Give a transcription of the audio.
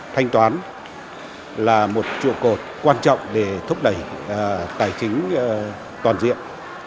thanh toán là một trụ cột quan trọng để thúc đẩy tài chính toàn diện